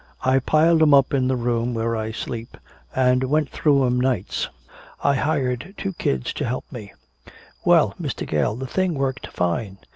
I piled 'em up in the room where I sleep and went through 'em nights. I hired two kids to help me. Well, Mr. Gale, the thing worked fine!